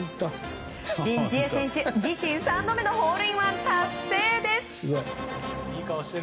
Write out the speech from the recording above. シン・ジエ選手、自身３度目のホールインワン達成です。